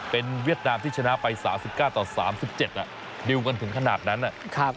เป็นเวียดนามที่ชนะไป๓๙ต่อ๓๗ดิวกันถึงขนาดนั้น